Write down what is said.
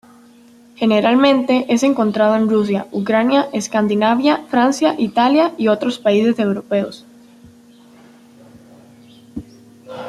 Generalmente es encontrado en Rusia, Ucrania, Escandinavia, Francia, Italia y otros países europeos.